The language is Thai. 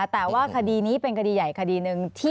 แต่ว่าคดีนี้เป็นคดีใหญ่คดีหนึ่ง